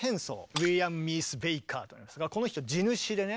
「ウィリアム・ミース・ベイカー」というんですがこの人地主でね